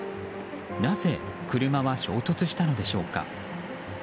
なぜ、車は衝突したのでしょうか。